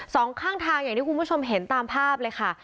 สองข้างทางอย่างที่คุณผู้ชมเห็นตามภาพเลยค่ะ